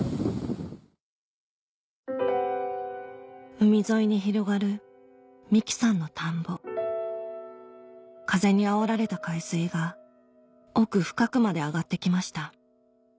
海沿いに広がる美樹さんの田んぼ風にあおられた海水が奥深くまで上がって来ました